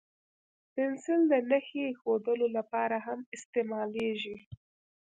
پنسل د نښې اېښودلو لپاره هم استعمالېږي.